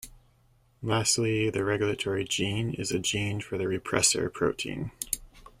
Lastly, the regulatory gene is the gene for the repressor protein.